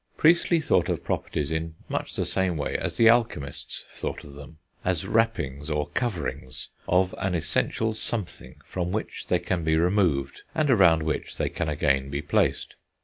Priestley thought of properties in much the same way as the alchemists thought of them, as wrappings, or coverings of an essential something, from which they can be removed and around which they can again be placed.